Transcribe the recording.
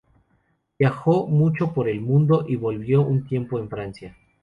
Viajó mucho por el mundo y vivió un tiempo en Francia.